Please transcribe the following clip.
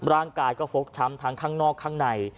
ร่างกายก็ฟกช้ำทั้งข้างนอกข้างใน